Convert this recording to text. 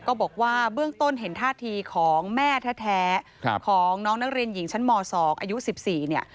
ก็บอกว่าเบื้องต้นเห็นท่าทีของแม่แท้ของน้องนักเรียนหญิงชั้นม๒อายุ๑๔เนี่ย